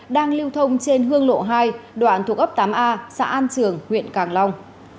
đang lưu thông trên hương lộ hai đoạn thuộc ấp tám a xã an trường huyện càng long